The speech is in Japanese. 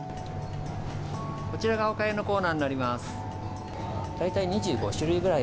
こちらがおかゆのコーナーになります。